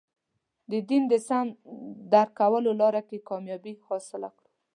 د دین د سم درک کولو لاره کې کامیابي حاصله کړو.